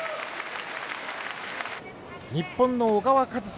日本の小川和紗